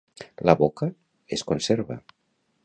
La boca es conserva.